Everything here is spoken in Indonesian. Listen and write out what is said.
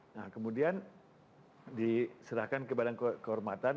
nah kemudian diserahkan kepada kehormatan